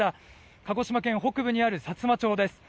鹿児島県北部にあるさつま町です。